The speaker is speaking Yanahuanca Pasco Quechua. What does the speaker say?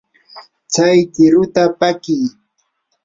tsay qiruta pakii.